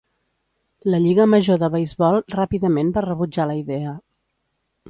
La Lliga Major de Beisbol ràpidament va rebutjar la idea.